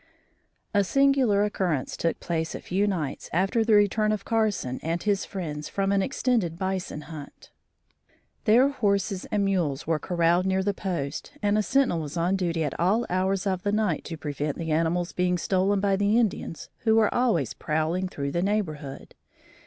A singular occurrence took place a few nights after the return of Carson and his friends from an extended bison hunt. Their horses and mules were corralled near the post and a sentinel was on duty at all hours of the night to prevent the animals being stolen by the Indians who were always prowling through the neighborhood.